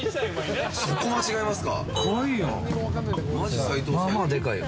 そこ間違えますか？